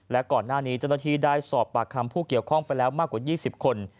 และก่อนหน้านี้เจ้าหน้าที่ได้สอบปากคำผู้เกี่ยวข้องไปแล้วมากกว่า๒๐คน